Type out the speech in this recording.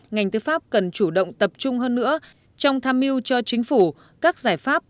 ngành tư pháp cần chủ động tập trung hơn nữa trong tham mưu cho chính phủ các giải pháp